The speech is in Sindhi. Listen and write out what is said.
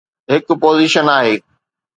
هڪ پوزيشن آهي.